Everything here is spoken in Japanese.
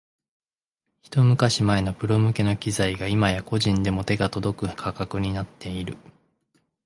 ひと昔前のプロ向けの機材が今や個人でも手が届く価格になっている